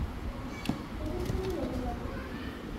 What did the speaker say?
Beth wyt ti'n gwneud yma?